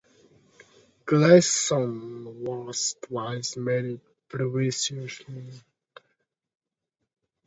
Gleason was twice married previously.